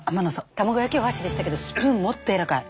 卵焼きお箸でしたけどスプーンもっとやわらかい。